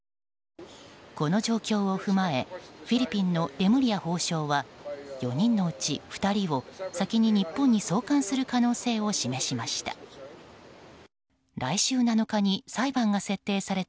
この状況を踏まえフィリピンのレムリヤ法相は４人のうち２人を先に日本に送還する可能性を示しました。